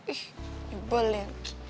ih ibel ririn